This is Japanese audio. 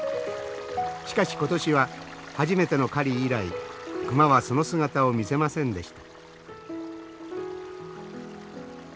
しかし今年は初めての狩り以来熊はその姿を見せませんでした。